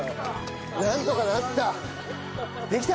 なんとかなった。